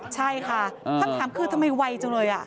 ใช่ค่ะคำถามคือทำไมไวจังเลย